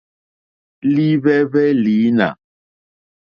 Líhwɛ́hwɛ́ lǐnà.